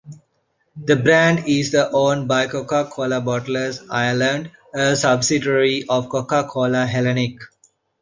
The brand is owned by Coca Cola Bottlers Ireland, a subsidiary of Coca-Cola Hellenic.